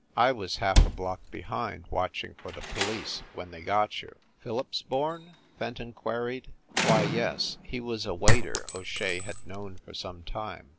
I was half a block behind, watching for the police, when they got you." "Phillipsborn ?" Fenton queried. "Why, yes. He was a waiter O Shea had known for some time.